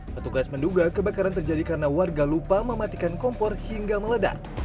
petugas menduga kebakaran terjadi karena warga lupa mematikan kompor hingga meledak